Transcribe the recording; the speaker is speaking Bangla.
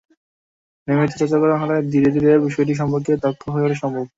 নিয়মিত চর্চা করা হলে ধীরে ধীরে বিষয়টি সম্পর্কে দক্ষ হয়ে ওঠা সম্ভব।